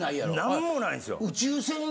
何もないんですよ。